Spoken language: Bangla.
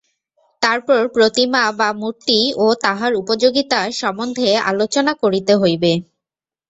তারপর প্রতিমা বা মূর্তি ও তাহার উপযোগিতা সম্বন্ধে আলোচনা করিতে হইবে।